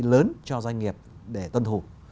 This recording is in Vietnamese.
lớn cho doanh nghiệp để tuân thủ